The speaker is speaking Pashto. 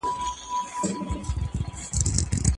د ښځو سياسي ونډه د ټولنيزو پرمختګونو ضمانت کوي.